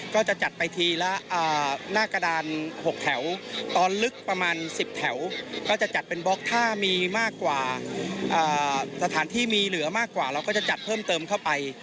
ก็จะจัดไปทีละหน้ากระดาน๖แถวตอนลึกประมาณ๑๐แถวก็จะจัดเป็นบล็อกถ้ามีมากกว่าสถานที่มีเหลือมากกว่าเราก็จะจัดเพิ่มเติมเข้าไป